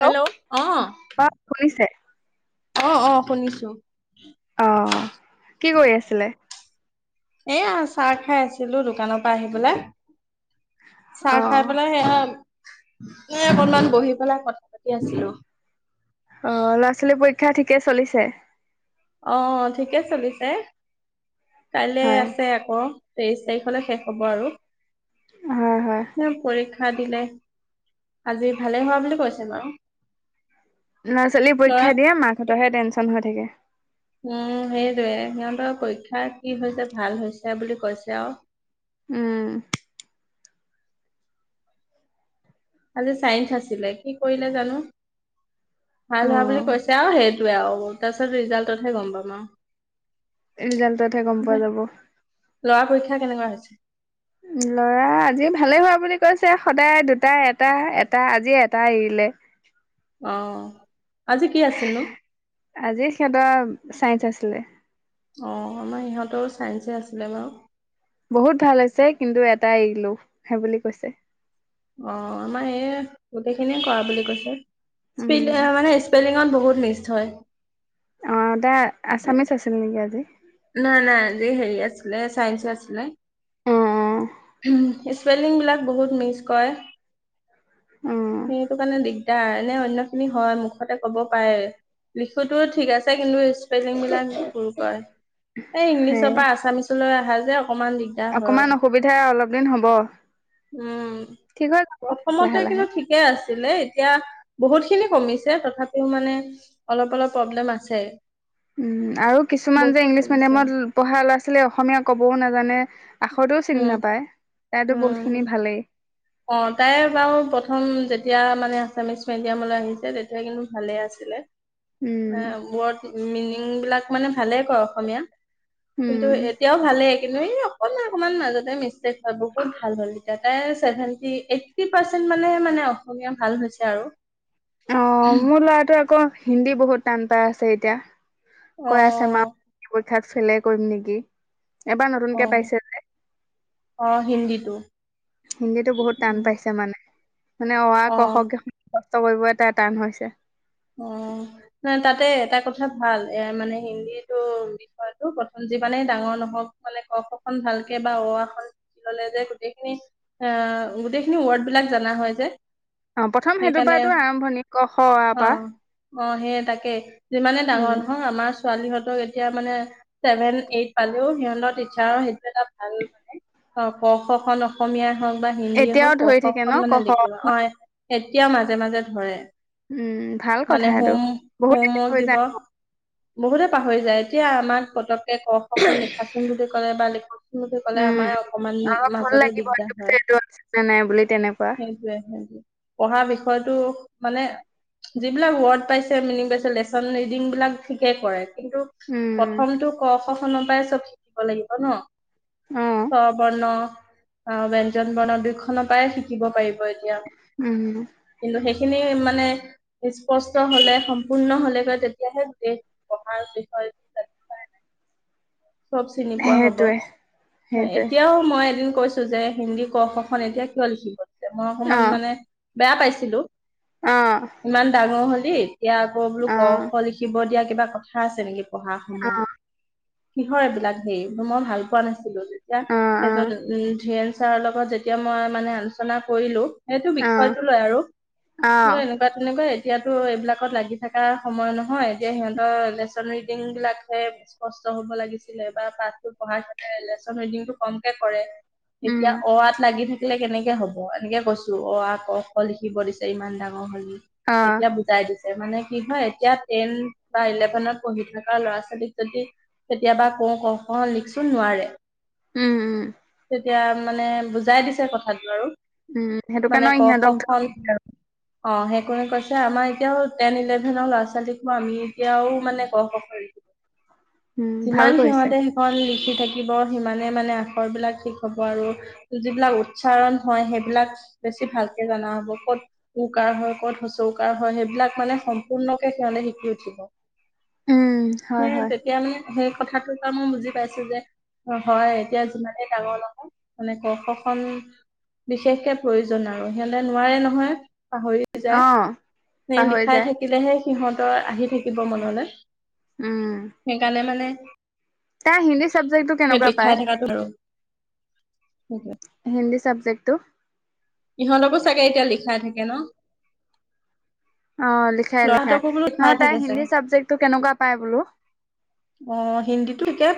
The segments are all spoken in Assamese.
হেল্ল' অ অ শুনিছে অ', অ', শুনিছো। অ', কি কৰি আছিলে? এয়া চাহ খাই আছিলো দোকানৰ পৰা আহি পেলাই। অ চাহ খাই পেলাই সেয়া মই অকনমান বহি পেলাই কথা পাতি আছিলো। অ', লৰা ছোৱালী পৰীক্ষা শিক্ষা ঠিকে চলিছে? অ', ঠিকে চলিছে। কাইলৈ হয় আছে আকৌ। তেইশ তাৰিখলৈ শেষ হব আৰু। হয়, হয়। হা দিলে, আজি ভালে হোৱা বুলি কৈছে বাৰু। ল'ৰা ছোৱালী ল'ৰাক পৰীক্ষা দিয়ে মাক হতে তহে টেনশচন হৈ থাকে। উম, সেইটোৱে সিহঁতৰ পৰীক্ষা কি হৈছে ভাল হৈছে বুলি কৈছে আৰু। উম। আজি চাইন্স আছিলে, কি কৰিলে জানো! অ ভাল হোৱা বুলি কৈছে আৰু সেইটো সেইটোৱে আৰু তাৰপিছত ৰিজাল্টত হে গম পাম আও। ৰিজাল্টততহে গম পোৱা যাব। ল'ৰা পৰীক্ষা [unintelligible] ল'ৰা আজি ভালে হোৱা বুলি কৈছে সদায় দুটা এটা এটা, আজি এটা এৰিলে। অঁ। আজি সিহঁতৰ চাইন্ঞ্চ আছিলিলে অঁ আমাৰ ইিহঁতৰ চাইঞ্চে আছিলে বাৰু বহুত ভাল হৈছে কিন্তু এটাাই এৰিলো সেই বুলি কৈছে অ আমাৰ এই গোটেইখিনিয়ে কৰা বুলি কৈছে [unintelligible] স্প উম মানে স্পেলিঙত বহুত নিচ হয় অ এটা আছামিচ আছিল নেকি আজি নাই নাই আজি হেৰি আছিল চাইন্স আছিলে অ উম স্পেলিং বিলাক বহুত মিছ কৰে অ অ সেইটো কাৰণে দিগদাৰ নে ঐন্ন ইখিনি হয় মুখতে ক'ব পাৰে লিখোতো ঠিক আছে কিন্তু স্পেলিং বিলাক ভুল কৰে এই ইংলিছৰ সেই পৰা আছামিছ লৈ অহা যে অকমান দিগদাৰ হয়। অকমান অসুবিধা অলপ দিন হ'ব। উম, ঠিক হৈ যাব লাহে প্ৰথমতে লাহে কিন্তু ঠিকে আছে। তেনে এতিয়া বহুত খিনি কমিছে তথাপিও মানে অলপ, অলপ প্ৰব্লেম আছে। উম, আৰু কিছুমান যে বহুত ইংলিছ কমিছে মিডিয়ামত পঢ়া ল'ৰা-ছোৱালীয়ে অসমীয়া কবও নাজানে। আখতেও চিনি উম নাপায়। তাইাতো উম বহুতখিনি ভালেই। অ', তাই বাৰু প্ৰথম যেতিয়া মানে আছামিছ মিডিয়ামলৈ আহিছে, তেতিয়া কিন্তু ভালে আছিলে। উম [unintelligible] বিলাক মানে ভালে কয় অসমীয়া। কিন্তু উম এতিয়াও ভালে কিন্তু এই অকনমান, অকমান মাজতে মিছ [unintelligible] ভাল হ'ল এতিয়া তাইেভেন। এইট্টি পাৰ্চেন্ট মানে, মানে অসমীয়া ভাল হৈছে আৰু। অ', মোৰ ল'ৰাটো আকৌ? হিন্দী বহুত টান পাই আছে এতিয়া। অ কৈ আছে মা? তাত ফেলোই কৰিম নেকি? এবাৰ অ নতুনকে পাইছে যে। অ হিন্দীটো। হিন্দীটো বহুত টান উম, পাইছে মানে। মানে অ, আ, ক, খ, অ গ কষ্ট কৰিব এটা টান হৈছে। অ, ন তাতে এটা কথা ভাল এ মানে হিন্দীটো বিষয়টো প্ৰথম যিমানেই ডাঙৰ নহওক মানে ক, খ, খন ভালকে বা অ খন ললে যে গোটেইখিনি আহ, গোটেইখিনি ৱৰ্ড বিলাক জনা হয় যে। অ, প্ৰথম সেইটো সেইকাৰণে পৰাটো আৰম্ভণি ক, খ, অ, আ। পৰা অ' অ' সেই। টাকেই। যিমানে উম ডাঙৰ নহওক আমাৰ ছোৱালীহতক এতিয়া মানে ছেভেন এইট পালেও সিহতৰ টিচাৰৰ সেইটো এটা ভাল মানে অ, ক, খ খন অসমীয়া হওক বা হিন্দীয়ে এতিয়াও হওক ক, ধৰি খ থাকে ন খন ক মানে খ লিখিব অ। এতিয়াও মাজে মাজে ধৰে। উম, ভাল মানে কথা এটো হোম বহুত হোমৱৰ্ক দিব [unintelligible] বহুতে পাহৰি যায়, এতিয়া আমাক পতক ক খ খন লিখাচোন বুলি কলে বা লিখচোন বুলি ক'লে উম আমাৰ অকমান অলপ ভুল মাজতে লাগিব দিগদাৰ এইটো পিছে হয়। এইটো আছে নে নাই বুলি তেনেকুৱা সেইটোৱে সেইটোৱে। পঢ়াৰ বিষয়টো মানে যিবিলাক ৱৰ্ড পাইছে মিনি লেচন ৰিডিং বিলাক ঠিকে কৰে। কিন্তু উম প্ৰথমটো ক। খনৰ পৰাই চব শিকিব লাগিব ন। অ স বৰ্ণ। অ ব ব্যঞ্জন বৰ্ন দুই খনৰ পৰা শিকিব পাৰিব। এতিয়া উম কিন্তু সেই। খিনি মানে। স্পষ্ট হলে সম্পূৰ্ণ হলেগৈ তেতিয়াহে গোটেই পঢ়াৰ বিষয় জান প নাই। চব চিনি পোৱা হব সেইটোৱে সেইটোৱে এতিয়াও মই এদিন। কৈছো যে হিন্দী কৌ খ খন এতিয়া কিয় লিখিব। মই অ অকমান মানে। বেয়া পাইছিলো। অ ইমান ডাঙৰ হৈ। কি। এতিয়া আকৌ বোলো অ ক খ লিখিব দিয়া। কিবা কথা আছে নিকি পঢ়া সময়ত কিহৰ এইবিলাক হেৰি মই ভাল পোৱা নাছিলো ছিলো তেতিয়া অ অ সেজন ধিয়েৰচ ছাৰৰ লগত যেতিয়া মই মানে আলোচনা কৰিলো সেইটো অ বিষয়টো লয় আৰু অ এনেকুৱা তেনেকুৱাই এতিয়াতো এইবিলাকত লাগি থকা সময় নহয় এতিয়া সিহঁতৰ লেচন ৰিডিং বিলাকহে স্পষ্ট হব লাগিছিলে বা পাঠটো পঢ়াৰ হেতৰ লেচন ৰিডিংটো কমকে কৰে উম এতিয়া অ ৱাত লাগি থাকি নিলিখিলে কেনেকে হ'ব এনেকে কৈছো অ আ ক খ লিখিব দিছে ইমান ডাঙৰ হলি অ তেতিয়া বুজাই দিছো মানে কি হয় এতিয়া টেন বা ইলেভেনত পঢ়ি থকা ল'ৰা ছোৱালীক যদি কেতিয়াবা কওঁ ক খ লিখচোন নোৱাৰে উম উম তেতিয়া মানে বুজাই দিছে কথাটো আৰু উম সেইটো মানে কাৰণে ক খ ইহঁতক খন অ সেই কৰিম কৈছে আমাৰ এতিয়াও টেন ইলেভেনৰ ল'ৰা ছোৱালীকো আমি এতিয়াও মানে ক খ খন উম ভাল যিমান কৰিছে সিহঁতে সেইখন লিখি থাকে শিকিব সিমানে মানে আখৰ বিলাক ঠিক হব আৰু যিবিলাক উচ্চাৰণ হয় সেইবিলাক বেছি ভালকে জনা হব ক'ত উকাৰ হয় ক'ত হুচ কাৰ হয় সেইবিলাক মানে সম্পূৰ্ণকে সিহঁতে শিকি উঠিব উম হয় সেই হয় তেতিয়া সেই কথাটোৰ পৰা মই বুজি পাইছো যে হয় এতিয়া যিমানে ডাঙৰ নহওঁক মানে ক খ খন বিশেষকে প্ৰয়োজন আৰু সিহঁতে নোৱাৰে নহয় পাহৰি অ যায় সেই পাহৰি লিখাই যায় থাকিলেহে সিহঁতৰ আহি থাকিব মনলৈ উম এনে মানে তাই হিন্দী চাবজেক্টটো সেই কেনেকুৱা লিখাই পায় থকাটো আৰু সেইটোৱে হিন্দী চাবজেক্টটো ইহঁতকো চাগে এতিয়া লিখাই থাকে ন অ লিখাই লিখাই ল'ৰাহঁতকো বোলো লিখাই নহয় তাই থাকে হিন্দী চাগে চাবজেক্টটো কেনেকুৱা পাই বোলো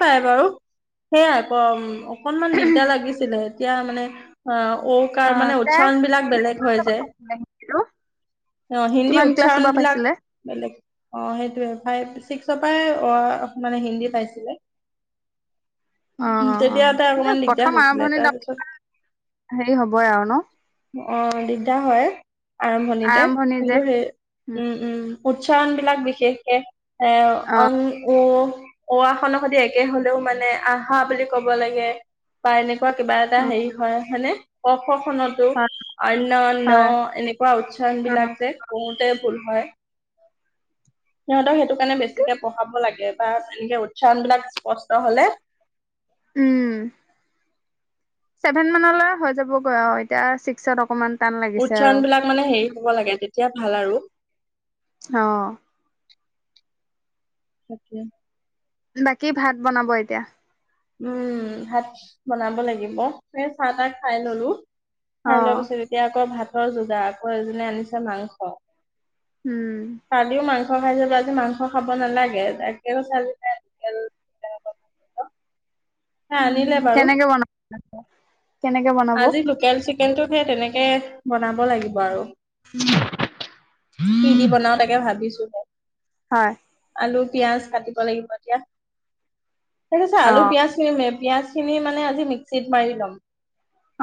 পাইবাৰু সেয়াই অকনমান দিগদাৰ লাগিছিলে এতিয়া মানে অহঁ ঔ অ কাৰ মানে তাই উচ্চাৰণ বিলাক বেলেগ হয় যে অ হিন্দী কিমান ক্লাছৰ উচ্চাৰণ পৰা বিলাক পাইছিলে বেলেগ অ সেইটোএ ফাইভ ছিক্সৰ পৰাই অহ মানে হিন্দী পাইছিলে অ অ তেতিয়া তাই অ অকমান দিগদাৰ প্ৰথম হৈছিলে আৰম্ভণি তাৰপিছত অকনমান হেৰি হবই আৰু ন অ দিগদাৰ হয় আৰম্ভণিতে আৰম্ভণি যে কিন্তু সেই উম উম উচ্চাৰণ বিলাক বিশেষকে। এ অ অং ও -ও অ' আ খনৰ সৈতে একে হলেও মানে আহা বুলি ক'ব লাগে বা এনেকে ক'ৰবাত কিবা এটা অ হেৰি হয় হয়নে? ক, খ খনত টো হয় অন্য হয় ন' এনেকুৱা উচ্চাৰণ অ বিলাক যে পঢ়োতে ভুল হয়। সিহঁতক সেইটো কাৰণে বেছিকে পঢ়াব লাগে বা এনেকে উচ্চাৰণবলাক স্পষ্ট হ'লে। উম। ছেভেন মানলৈ হৈ যাবগৈ আৰু এতিয়া ছিক্সত অকমান। টান লাগিছে আৰু উচ্চাৰণ বিলাক মানে হেৰি হ'ব লাগে তেতিয়া ভাল আৰু। অ' তাকে। বাকী ভাত বনাব এতিয়া। উম ভাত বনাব লাগিব সেই চাহ তাহ খাই ললো। অ খাই লোৱা পাছত, এতিয়া আকৌ ভাত। ভাতৰ যোগাৰ আকৌ এজনিয়ে আনিছে মাংস। উম কালিও মাংস। সহায় যাবি আজি মাংস খাব নালাগে তাকে কৈছোঁ আজি তাই তেল দিয়া হব হা আনিলে বাৰু ব আজি লোকেল চিকেনটোত সে তেনেকে বনাব লাগিব আৰু কি দি বনাও তাকে ভাবি ছো হে। হয় আলু পিয়াঁজ কাটিব লাগিব এতিয়া সেইটো চাহ অ আলু পিয়াজখিনি মেপ পিয়াজ খিনি মানে আজি মিক্সিত মাৰি ল'ম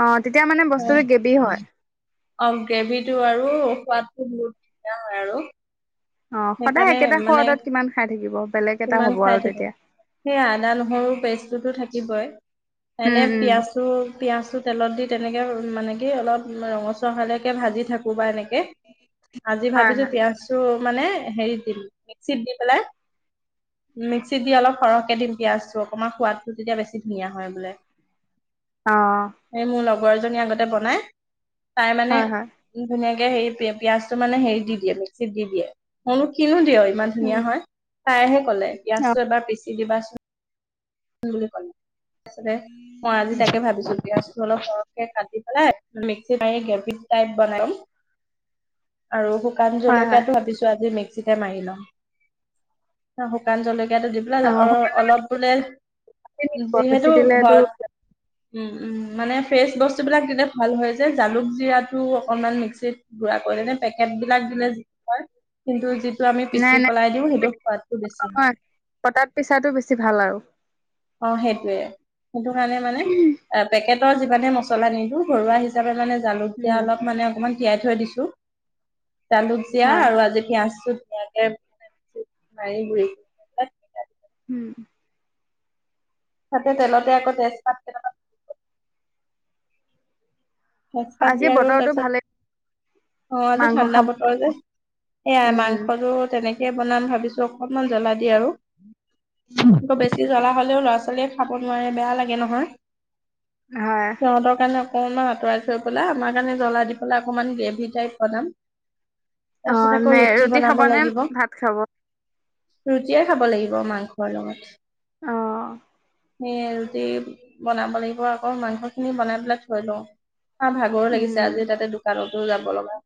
অ তেতিয়া মানে বস্তুটো গেবি হয় অ গ্ৰেভি টো আৰু সোৱাদটো বহুত ধুনীয়া হয় আৰু অ সদায় সেইকাৰণে একেটা মানে সোৱাদত কিমান খাই থাকিব বেলেগ এটা কিমান হব খাই আৰু তেতিয়া টোতো থাকিবই এনে উম উম পিয়াছো পিয়াছো তেলত দি তেনেকে মানে কি অলপ ৰঙচোৱা হোৱা লেকে ভাজি থাক কো বা এনেকে আজি হয় ভাবিছো হয় পিয়াছো। মানে। হেৰিত দিম মিক্সিত দি পেলাই মিক্সিত দি অলপ সৰহকে দিম পিয়াজটো অকণমান সোৱাদটো তেতিয়া বেছি ধুনীয়া হয় বোলে। অ লগৰজনী আগতে বনাই। তাই মানে হয় হয় ধুনীয়াকে হে পিয়ঁয়াজটো মানে হেৰি দি দিয়ে মিক্সিত দি দিয়ে। অন কিনন দিয় ইমান উম ধুনীয়া হয়। পাই কলে অ পিয়াজটো এবাৰ পিছ চি দিবাছো। স পাল [unintelligible] তাৰ মই আজি তাকে ভাবিছো পিয়াজটো অলপ সৰহকে কাটি মিক্সিত গ্ৰেভি টাইপ বনাই আৰু। সুকান হয় হয় জলকীয়াত ভিছো আজি মেক্সি মাৰি লম শুকান জল টো দি পেলাই অ আৰু অলপ বোলে। বেছি যিহেতু দিলেতো ঘৰত উম-উম মানে ফ্ৰেচ বস্তুবিলাক দিলে ভাল হয় যে জালুক জিৰাতটো অকনমান মিক্সিত গুৰা কৰিলেনে পেকেট বিলাক দিলে হয়। কিন্তু আমি পিচি নাই-নাই পেলাই দিওঁ সেইটো সোৱাদটো বেছি হয়। পটাত পিচাটো বেছি ভাল আৰু। অ সেইটোয়ে সেইটো কাৰণে মানে পেকেট ৰ যিমানে মছলা নিদো ঘৰুৱা হিচাপে মানে জালুত জিয়া উম অলপ মানে অকণমান তীয়াই থৈ দিছো। জালুক জীয়া হয় আৰু আজি পিয়ঁয়াজ, চো ধুনীয়াকে মছ মাৰিৰি [unintelligible] উম, তাতে তেলতে আকৌ তেজপাত কেইটামান তেজপাত আজি দিয়ে আৰু বতৰটো তাৰপিছত, ভালে অ আজি মাংস ঠাণ্ডা খাব বতৰ যে সয়াই উম মাংসটো তেনেকে, তে বনাম ভাবিছো অকনমান জ্বলা দি আৰু, কৌ বেছি জ্বলা হ'লেও ল'ৰা ছোৱালীয়ে খাব নোৱাৰে বেয়া লাগে নহয়। হয় সিহঁতৰ কাৰনে অ মই আতৰাই থৈ পেলাই আমাৰ কাৰণে জ্বলা দি পেলাই অকমান গ্ৰেভি টাইপ বনাম। তাৰপিছত অ' আকৌ নে ৰুটি বনাব খাব নে লাগিব ভাত খাব। ৰুটিয়ে খাব লাগিব মাংসৰ লগত। অ--হ ৰুটি বনাব লাগিব আকৌ মাংস খিনি বনাই পেলাই থৈ লওঁ। হ ভাগৰো উম লাগিছে উম আজি তাতে দোকানত ত যাব লগা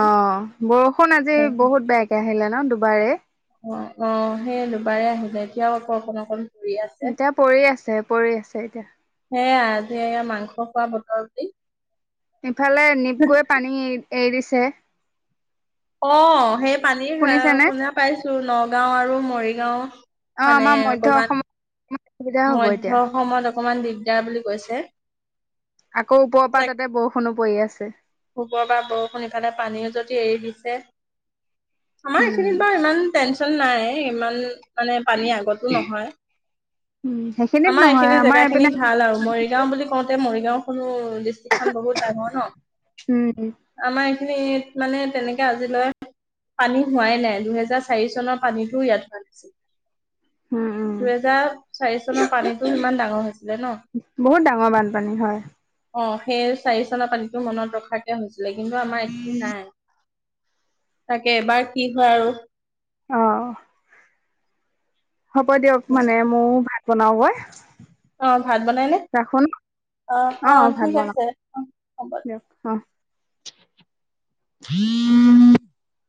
অ ব বৰষুণ আজি বহুত বেয়াকে আহিলে। ন দুবাৰে অ অ সেই দুবাৰে আহিলে এতিয়াও আকৌ অকণ অকণ এতিয়া পৰি আছে পৰি আছে এতিয়া আাজি এয়া মাংস খোৱা বতৰ বুলি ইফালে নিপকৈ পানী এৰিছে অ সেই পানী হেৰা শুনিছেনে? শুনা পাইছে তো নগাওঁ আৰু মৰিগাওঁ অ আমাৰ মধ্য অসমত অসুবিধা হ'ব মধ্য এতিয়া অসমত অকমান দিগদাৰ বুলি কৈছে আকৌ ওপৰৰ পৰা তাতে বৰষুণো পৰি আছে ওপৰৰ পৰা বৰষুণ ইফালে পানীও যদি এৰি দিছে আমাৰ উম, এইখিনিত বাৰু ইমান টেন ছন নাই ইমান মানে পানী আগতো নহয়, উম, সেইখিনিত আমাৰ নহয় এইখিনি জেগা এইপিনে খিনি ভাল আৰু মৰিগাঁও বুলি কওঁ তাতে মৰিগাঁও খনো ডিষ্ট্ৰিক্ট খন বহুত ডাঙৰ ন উম আমাৰ এইখিনিত মানে তেনেকে আজিলৈ পানী হোৱাই নাই দুহেজাৰ চাৰি চনৰ পানীটোও ইয়াত হোৱা নাছিল। উম, উম, দুহেজাৰ চাৰি চনৰ পানীটো সিমান ডাঙৰ হৈছিলে ন বহুত ডাঙৰ বানপানী হয়। অ সেই চাৰি চনৰ পানী টো মনত ৰখাকে হৈছে লে কিন্তু আমাৰ এইখিনিত নাই তাকে এইবাৰ কি হয় আৰু অ হ'ব দিয়ক মানে ময়ো ভাত বনাও গৈ অ ভাত বনাইনে অ অ ভাত ঠিক বনাও আছে অ হ'ব দিয়া। দিয়ক [inaudible]